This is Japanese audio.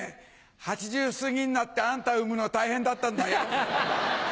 ８０過ぎになってあんた産むの大変だったんだよ。